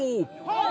はい！